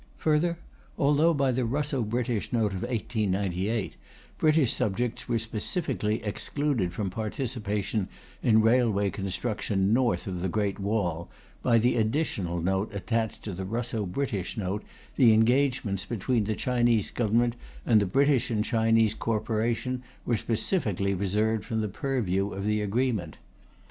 Further, although by the Russo British Note of 1898 British subjects were specificially excluded from participation in railway construction north of the Great Wall, by the Additional Note attached to the Russo British Note the engagements between the Chinese Government and the British and Chinese Corporation were specifically reserved from the purview of the agreement.